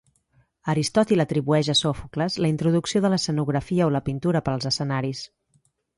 Aristòtil atribueix a Sòfocles la introducció de l"escenografia o la pintura per als escenaris.